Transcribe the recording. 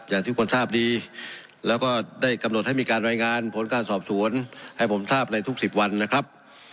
อย่างที่คนทราบดีแล้วก็ได้กำหนดให้มีการรายงานผลการสอบสวนให้ผมทราบในทุกสิบวันนะครับ